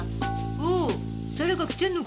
「おお誰か来てんのか？」